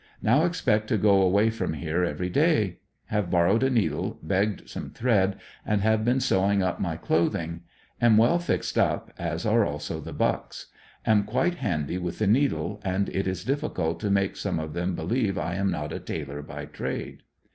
Now expect to go away from here every day. Have borrowed a needle, begged some thread, and have been sewing up my clothing; am well fixed up, as are also the Bucks. Am quite handy with the needle, and it is difficult to make some of them believe I am not a tailor by trade.